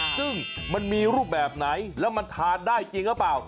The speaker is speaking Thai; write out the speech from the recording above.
ซึ่งมันมีรูปแบบไหนแล้วมันทานได้จริงหรือเปล่า